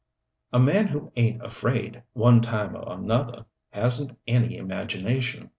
A man who ain't afraid, one time or another, hasn't any imagination.